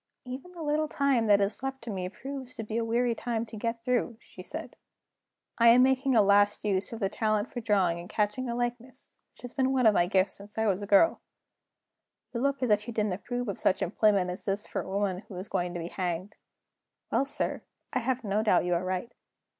"Even the little time that is left to me proves to be a weary time to get through," she said. "I am making a last use of the talent for drawing and catching a likeness, which has been one of my gifts since I was a girl. You look as if you didn't approve of such employment as this for a woman who is going to be hanged. Well, sir, I have no doubt you are right."